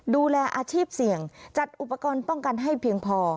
ดูแลอาชีพเสี่ยงจัดอุปกรณ์ป้องกันให้เพียงพอ